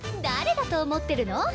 誰だと思ってるの？